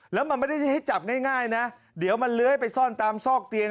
แล้วมันไม่ได้ให้จับง่ายนะเดี๋ยวมันเลื้อยไปซ่อนตามซอกเตียง